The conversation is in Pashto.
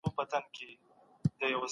وزارت د ښځو د حقونو لپاره کار کاوه.